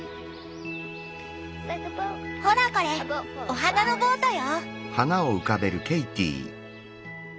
ほらこれお花のボートよ！